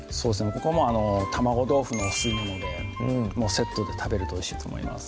ここはもう「卵豆腐のお吸物」でもうセットで食べるとおいしいと思います